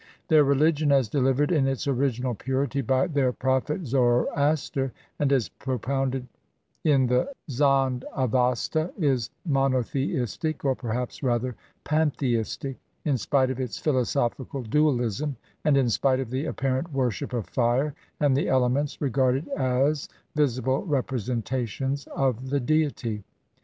Their religion, as dehvered in its original purity by their prophet Zoroaster, and as propounded in the Zand Avasta, is monotheistic, or, perhaps, rather pantheistic, in spite of its philosophical dualism, and in spite of the apparent worship of fire and the elements, regarded as visible representations of the Deity.